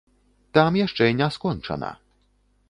Там яшчэ не скончана.